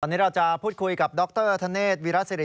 ตอนนี้เราจะพูดคุยกับดรธเนธวิรสิริ